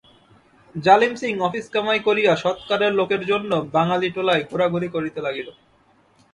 জালিম সিং অফিস কামাই করিয়া সৎকারের লোকের জন্য বাঙালিটোলায় ঘোরাঘুরি করিতে লাগিল।